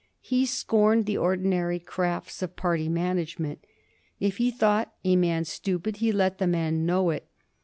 He scorned the ordinary crafts of party management. If he thought a man stupid he let the man know it.